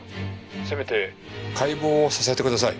せめて解剖をさせてください。